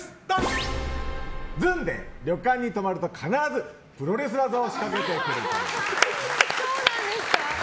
ずんで旅館に泊まると必ずプロレス技を仕掛けてくる。